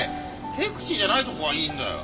セクシーじゃないとこがいいんだよ。